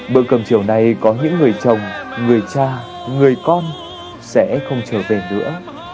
bữa cầm chiều này có những người chồng người cha người con sẽ không trở về nữa